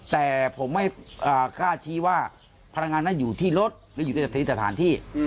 แต่ผมไม่กล้าชี้ว่าพลังงานนั้นอยู่ที่รถหรืออยู่ในสถานที่